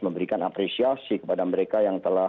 memberikan apresiasi kepada mereka yang telah